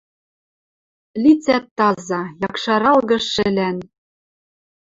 Лицӓ таза, якшаралгы шӹлӓн